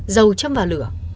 dầu châm vào lửa